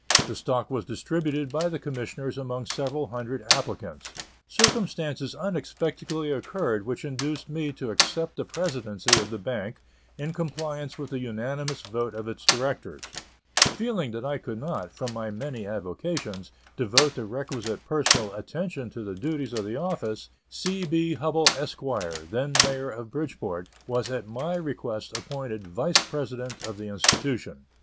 The stock was distributed by the Commissioners among several hundred applicants. Circumstances unexpectedly occurred which induced me to accept the presidency of the bank, in compliance with the unanimous vote of its directors. Feeling that I could not, from my many avocations, devote the requisite personal attention to the duties of the office, C. B. Hubbell, Esq., then Mayor of Bridgeport, was at my request appointed Vice President of the institution.